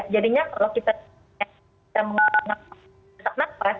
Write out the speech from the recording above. jadinya kalau kita mengalami sesak nafas